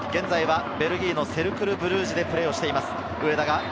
現在はベルギーのセルクル・ブルージュでプレーをしています。